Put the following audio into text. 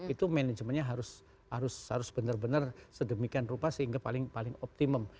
itu manajemennya harus benar benar sedemikian rupa sehingga paling optimum